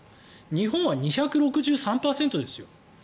日本は２６３％ですよ。